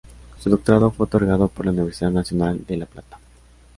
Su doctorado fue otorgado por la Universidad Nacional de La Plata.